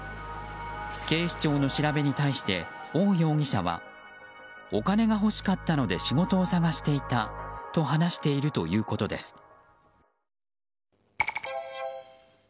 警視庁の調べに対してオウ容疑者はお金がほしかったので仕事を探していたと話しているということです。